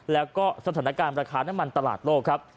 แล้วก็สถานการณ์ราคาน้ำมันตลาดโลกครับ